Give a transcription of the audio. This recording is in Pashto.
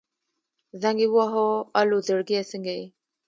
زنګ يې ووهه الو زړګيه څنګه يې.